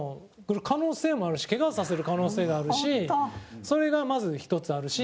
可能性もあるしケガさせる可能性があるしそれが、まず１つあるし。